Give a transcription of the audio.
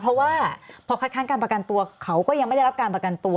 เพราะว่าพอคัดค้านการประกันตัวเขาก็ยังไม่ได้รับการประกันตัว